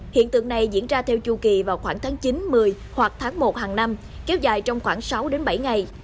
hiện tượng này diễn ra theo chu kỳ vào khoảng tháng chín một mươi hoặc tháng một hàng năm kéo dài trong khoảng sáu bảy ngày